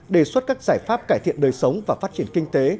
đề xuất các giải pháp cải thiện đời sống và phát triển kinh tế